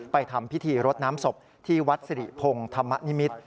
ทำพิธีรดน้ำศพที่วัดสิริพงศ์ธรรมนิมิตร